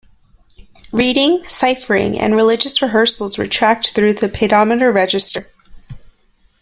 Reading, Ciphering and Religious rehearsals were tracked through the paidometer register.